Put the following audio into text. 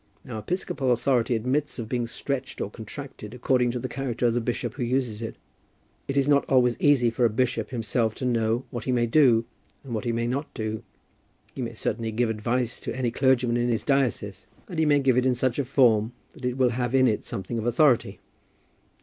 Now, episcopal authority admits of being stretched or contracted according to the character of the bishop who uses it. It is not always easy for a bishop himself to know what he may do, and what he may not do. He may certainly give advice to any clergyman in his diocese, and he may give it in such form that it will have in it something of authority.